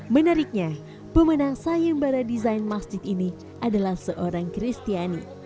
menariknya pemenang sayembara desain masjid ini adalah seorang kristiani